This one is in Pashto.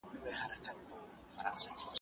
د کلي خلکو افکار د کورنۍ په هویت کې موجود دي.